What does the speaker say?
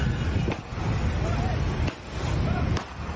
สวัสดีครับ